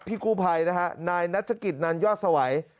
พี่กูภัยนะครับนายนัทชะกิดนันยอดสวัย